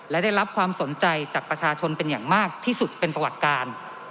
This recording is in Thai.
และได้รับความสนใจจากประชาชนเป็นอย่างมากที่สุดเป็นประวัติการ